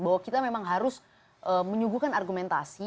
bahwa kita memang harus menyuguhkan argumentasi